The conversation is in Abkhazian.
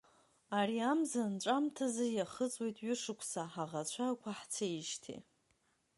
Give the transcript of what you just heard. Ари амза анҵәамҭазы иахыҵуеит ҩышықәса ҳаӷацәа ықәаҳцеижьҭеи.